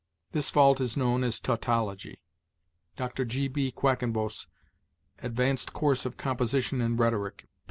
This fault is known as tautology." Dr. G. P. Quackenbos, "Advanced Course of Composition and Rhetoric," p.